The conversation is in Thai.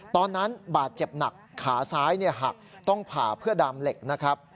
ตอนนั้นบาดเจ็บหนักขาซ้ายหักต้องผ่าเพื่อดามเหล็กนะครับ